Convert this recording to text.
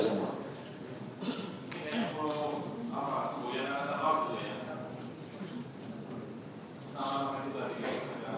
semuanya ada waktu ya